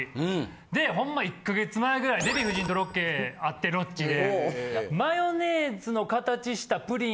でほんま１か月前ぐらいデヴィ夫人とロケあってロッチで。